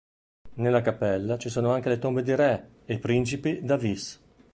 Nella cappella ci sono anche le tombe di re e principi d'Avis.